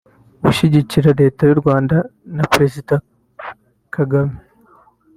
ushyigikira Leta y’u Rwanda na Perezida Kagame